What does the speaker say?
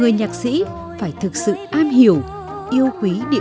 cứ như là một cái sức hút